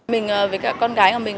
mình với con gái của mình